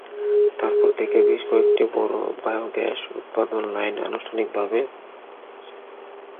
তারপর থেকে বেশ কয়েকটি বড় বায়োগ্যাস উৎপাদন লাইন আনুষ্ঠানিকভাবে বন্ধ করা হয়েছে।